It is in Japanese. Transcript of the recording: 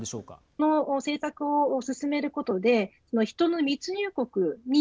この政策を進めることで人の密入国に